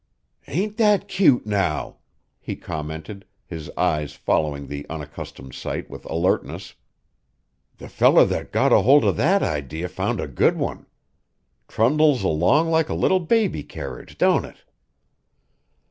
"Ain't that cute now?" he commented, his eyes following the unaccustomed sight with alertness. "The feller that got a holt of that idee found a good one. Trundles along like a little baby carriage, don't it?"